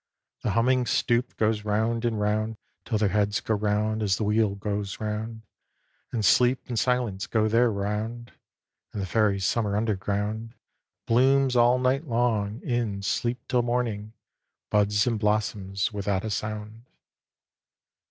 The humming stoup goes round and round, Till their heads go round, as the wheel goes round; And sleep and silence go their round. And the Fairy Summer underground Blooms all night long in Sleep till morning, Buds and blossoms, without a sound.